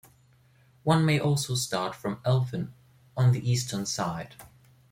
One may also start from Elphin, on the eastern side.